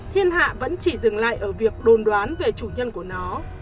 thiên hạ vẫn chỉ dừng lại ở việc đồn đoán về chủ nhân của nó